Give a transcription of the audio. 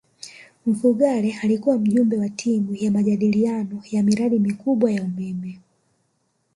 mfugale alikuwa mjumbe wa timu ya majadiliano ya miradi mikubwa ya umeme